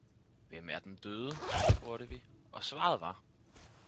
Hvem er den døde? spurgte vi, og svaret var.